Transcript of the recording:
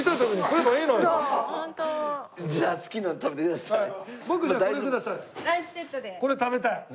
これ食べたい。